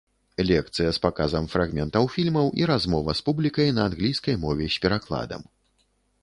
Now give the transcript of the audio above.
Лекцыя з паказам фрагментаў фільмаў і размова з публікай на англійскай мове з перакладам.